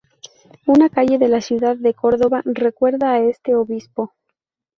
Una calle de la ciudad de Córdoba recuerda a este obispo.